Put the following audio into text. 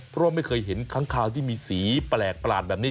เพราะว่าไม่เคยเห็นค้างคาวที่มีสีแปลกประหลาดแบบนี้